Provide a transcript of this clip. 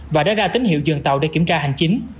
và đã ra tín hiệu dừng tàu để kiểm tra hành chính